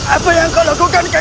apa yang kau lakukan